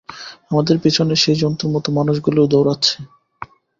আমাদের পিছনে সেই জন্তুর মতো মানুষগুলিও দৌড়াচ্ছে।